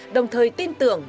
đồng thời tin tưởng